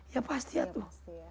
ya pasti ya tuh